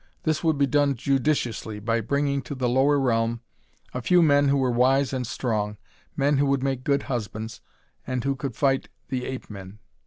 This would be done judiciously, by bringing to the lower realm a few men who were wise and strong, men who would make good husbands, and who could fight the ape men.